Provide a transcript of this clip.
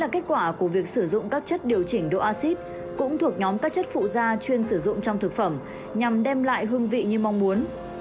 kết quả của việc sử dụng các chất điều chỉnh độ acid cũng thuộc nhóm các chất phụ da chuyên sử dụng trong thực phẩm nhằm đem lại hương vị như mong muốn